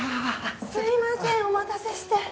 すみませんお待たせして。